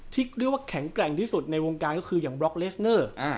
ที่เรียกว่าแข็งแกร่งที่สุดในวงการก็คืออย่างบล็อกเลสเนอร์